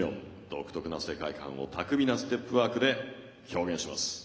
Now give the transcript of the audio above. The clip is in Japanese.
独特な世界観を巧みなステップワークで表現します。